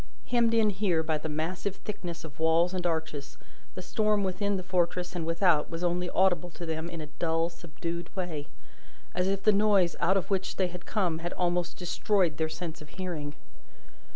Hemmed in here by the massive thickness of walls and arches, the storm within the fortress and without was only audible to them in a dull, subdued way, as if the noise out of which they had come had almost destroyed their sense of hearing.